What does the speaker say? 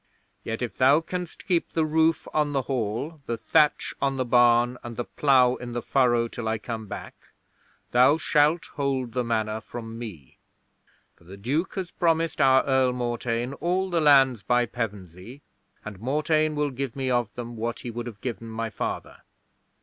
Yet if thou canst keep the roof on the hall, the thatch on the barn, and the plough in the furrow till I come back, thou shalt hold the Manor from me; for the Duke has promised our Earl Mortain all the lands by Pevensey, and Mortain will give me of them what he would have given my father.